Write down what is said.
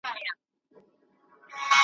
د خلوت له الاهو څخه سرسام سو `